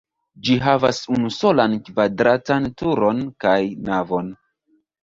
Ĝi havas unusolan kvadratan turon kaj navon.